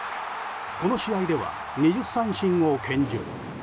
この試合では２０三振を献上。